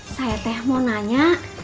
saya teh mau nanya